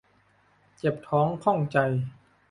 เจ็บท้องข้องใจ